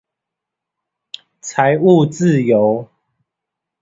財務自由